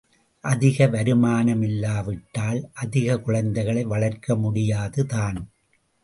அதிக வருமானமில்லாவிட்டால் அதிகக் குழந்தைகளை வளர்க்க முடியாது தான்.